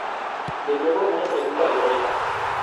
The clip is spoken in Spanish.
De nuevo una pregunta retórica.